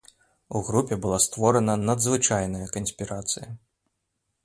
У групе была створана надзвычайная канспірацыя.